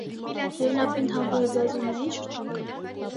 Եվ նա պինդ համբուրեց Զազունյանի շրթունքը: